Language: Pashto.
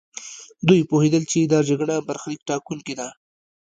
دوی پوهېدل چې دا جګړه برخليک ټاکونکې ده.